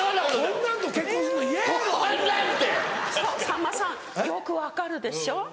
さんまさんよく分かるでしょ。